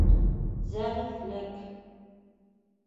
Зәғифлек...